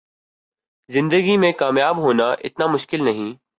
زندگی میں کامیاب ہونا اتنا مشکل نہیں